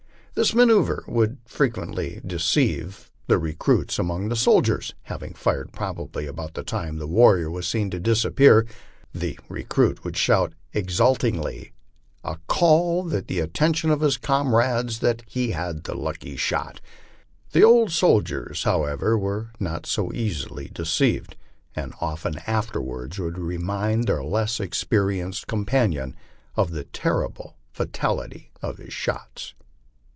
This manoeuvre would frequently deceive the recruits among the soldiers ; having fired probably about the time the war rior was seen to disappear, the recruit would shout exultingly and call the at tention of his comrades to his lucky shot. The old soldiers, however, were not so easily deceived, and often afterwards would remind their less experi enced companion of the terrible fatality of his shots.